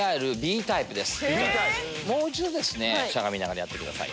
もう一度ですねしゃがみながらやってくださいね。